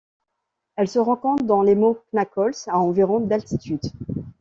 Elle se rencontre dans les monts Knuckles à environ d'altitude.